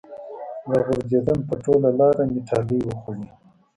راغورځېدم په ټوله لاره مې ټالۍ وخوړې